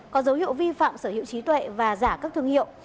có dấu hiệu vi phạm sở hữu trí tuệ và giả các thương hiệu